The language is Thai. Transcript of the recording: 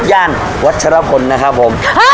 ย่านวัชรพลนะครับผม